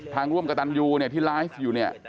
ทางร่วมกับตันยูที่ไลฟ์อยู่นี่